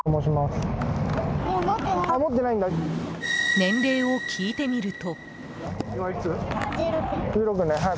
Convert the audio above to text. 年齢を聞いてみると。